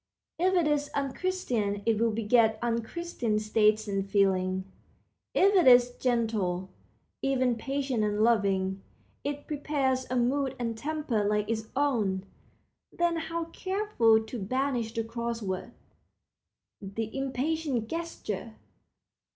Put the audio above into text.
If it is unchristian it will beget unchristian states and feelings. If it is gentle, even patient and loving, it prepares a mood and temper like its own. Then how careful to banish the cross word, the impatient gesture!